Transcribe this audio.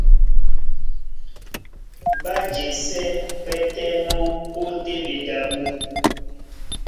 Ɓá jesɛ́ pɛ́tɛ́ mɔ́ ó téɓedi abú.